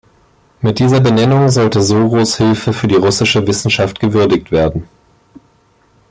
Mit dieser Benennung sollte Soros’ Hilfe für die russische Wissenschaft gewürdigt werden.